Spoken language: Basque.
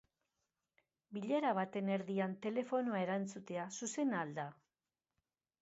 Bilera baten erdian telefonoa erantzutea zuzena al da?